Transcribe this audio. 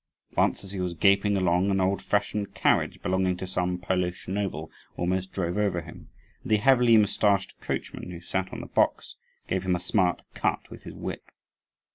Once, as he was gaping along, an old fashioned carriage belonging to some Polish noble almost drove over him; and the heavily moustached coachman, who sat on the box, gave him a smart cut with his whip.